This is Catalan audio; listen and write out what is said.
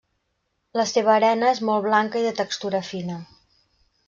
La seva arena és molt blanca i de textura fina.